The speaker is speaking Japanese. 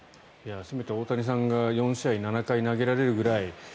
せめて大谷さんが４試合７回投げられるくらい。